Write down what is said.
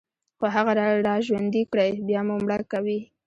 خو هغه راژوندي كړئ، بيا مو مړه کوي